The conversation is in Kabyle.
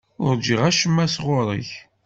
Ur ṛjiɣ acemma sɣur-k.